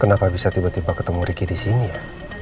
kenapa bisa tiba tiba ketemu ricky disini ya